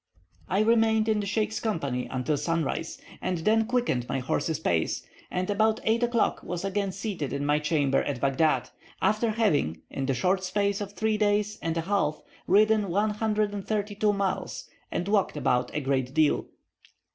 I remained in the sheikh's company until sunrise, and then quickened my horse's pace, and at about 8 o'clock was again seated in my chamber at Baghdad, after having, in the short space of three days and a half, ridden 132 miles and walked about a great deal.